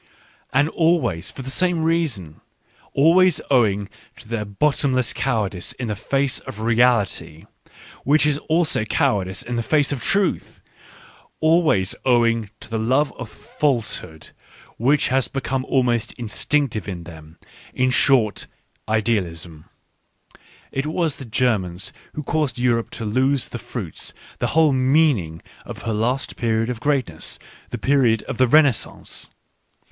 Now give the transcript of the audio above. ... And always for the same reason, always owing to their bottom less cowardice in the face of reality, which is also , cowardice in the face of truth ; always owing to the love of falsehood which has become almost instinc tive in them — in short, "idealism." It was the Germans who caused Europe to lose the fruits, the whole meaning of her last period of greatness — the period of the Renaissance.